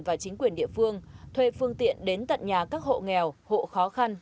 và chính quyền địa phương thuê phương tiện đến tận nhà các hộ nghèo hộ khó khăn